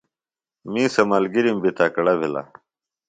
می سےۡ ملگِرم بیۡ تکڑہ بھِلہ